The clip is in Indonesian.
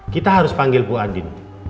kita harus panggil bu andin